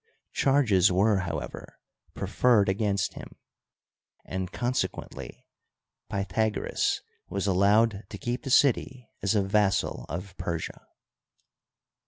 Charges were, how ever, preferred against him, and consequently Pnytagoras was allowed to keep the city as a vassal of Persia.